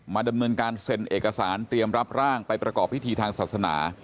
ดำเนินการเซ็นเอกสารเตรียมรับร่างไปประกอบพิธีทางศาสนา